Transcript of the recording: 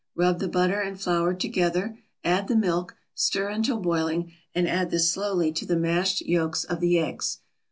Rub the butter and flour together, add the milk, stir until boiling, and add this slowly to the mashed yolks of the eggs.